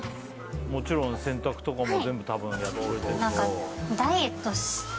もちろん洗濯とかも全部多分やってくれて。